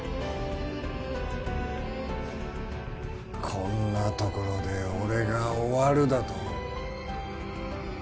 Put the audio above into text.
こんなところで俺が終わるだと？